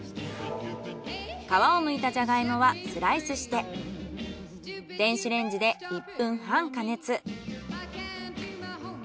皮をむいたジャガイモはスライスして電子レンジで１分半加熱。